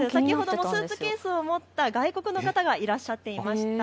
スーツケースを持った外国の方が今もいらっしゃっていました。